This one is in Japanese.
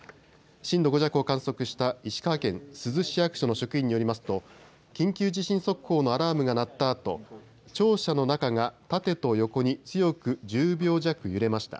震度５弱を観測した石川県珠洲市役所の職員によりますと緊急地震速報のアラームが鳴ったあと、庁舎の中が縦と横に強く１０秒弱、揺れました。